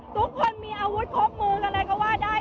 ทุกคนมีอาวุธพกมือก็เลยว่าได้